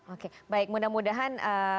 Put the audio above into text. oke baik mudah mudahan